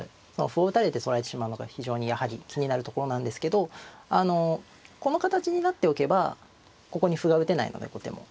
歩を打たれて取られてしまうのが非常にやはり気になるところなんですけどこの形になっておけばここに歩が打てないので後手も。